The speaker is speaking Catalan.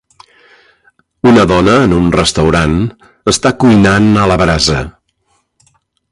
Una dona en un restaurant està cuinant a la brasa.